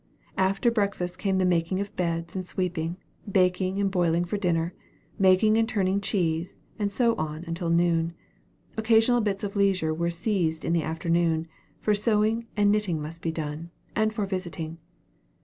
After breakfast came the making of beds and sweeping, baking and boiling for dinner, making and turning cheese, and so on, until noon. Occasional bits of leisure were seized in the afternoon, for sewing and knitting that must be done, and for visiting.